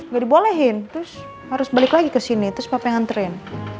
gak dibolehin terus harus balik lagi ke sini terus papa nganterin